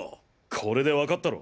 これで分かったろ。